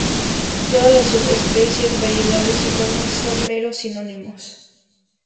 Todas las subespecies, variedades y formas son meros sinónimos.